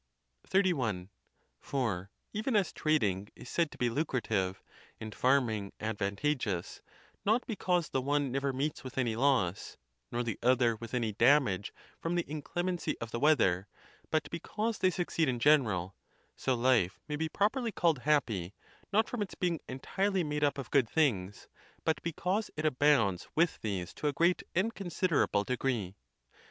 XXXI. For even as trading is said to be lucrative, and farming advantageous, not because the one never meets with any loss, nor the other with any damage from the in clemency of the weather, but because they succeed in gen eral; so life may be properly called happy, not from its being entirely made up of good things, but because it abounds with these to a great and considerable degree.